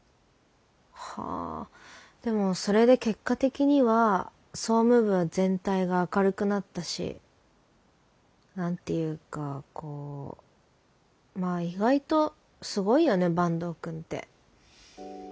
でもそれで結果的には総務部全体が明るくなったし何て言うかこうまあ意外とすごいよね坂東くんって。